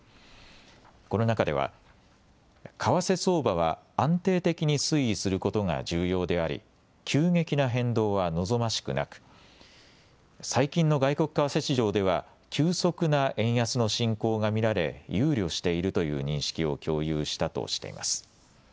この中では為替相場は安定的に推移することが重要であり急激な変動は望ましくなく最近の外国為替市場では急速な円安の進行が見られ憂慮しているという認識を共有したとしています。